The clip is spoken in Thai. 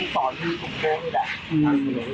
สี่คน